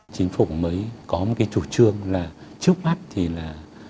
chính phủ mới có một cái chủ trương là trước mắt thì là